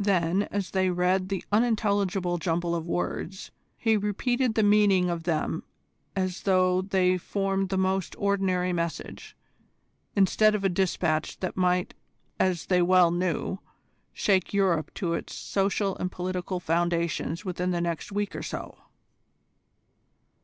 Then as they read the unintelligible jumble of words, he repeated the meaning of them as though they formed the most ordinary message, instead of a dispatch that might, as they well knew, shake Europe to its social and political foundations within the next week or so.